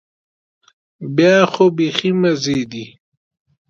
بیا خو بيخي مزې دي.